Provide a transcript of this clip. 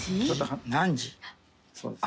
そうです。